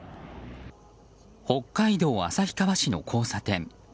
北海道旭川市の交差点。